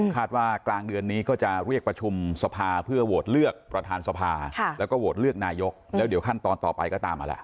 ว่ากลางเดือนนี้ก็จะเรียกประชุมสภาเพื่อโหวตเลือกประธานสภาแล้วก็โหวตเลือกนายกแล้วเดี๋ยวขั้นตอนต่อไปก็ตามมาแหละ